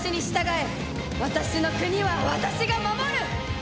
私の国は私が守る！